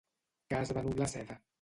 Que has venut la seda?